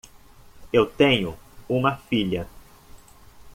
Eu tenho uma filha.